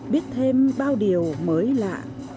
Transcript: biết thêm bao điều mới lạ